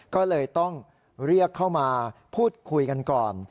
ก็เลยต้องเรียกเข้ามาพูดคุยกันก่อน